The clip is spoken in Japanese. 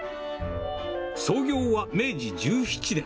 創業は明治１７年。